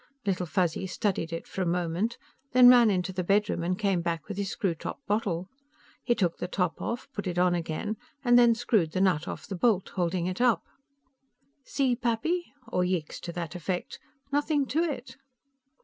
Little Fuzzy studied it for a moment, then ran into the bedroom and came back with his screw top bottle. He took the top off, put it on again and then screwed the nut off the bolt, holding it up. "See, Pappy?" Or yeeks to that effect. "Nothing to it."